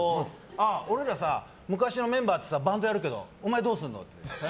俺らさ、昔のメンバーとバンドやるけどお前どうするんだよって。